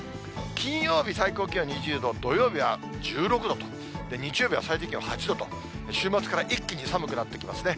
金曜日、最高気温２０度、土曜日は１６度と、日曜日は最低気温８度と、週末から一気に寒くなってきますね。